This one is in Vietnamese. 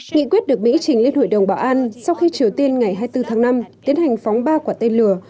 nghị quyết được mỹ trình lên hội đồng bảo an sau khi triều tiên ngày hai mươi bốn tháng năm tiến hành phóng ba quả tên lửa